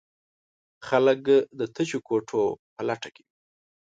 خلک د تشو کوټو په لټه کې وي.